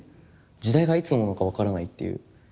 時代がいつなのか分からないっていう。